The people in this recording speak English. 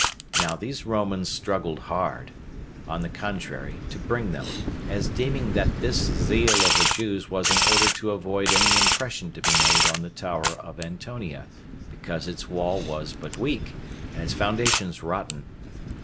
Now these Romans struggled hard, on the contrary, to bring them, as deeming that this zeal of the Jews was in order to avoid any impression to be made on the tower of Antonia, because its wall was but weak, and its foundations rotten.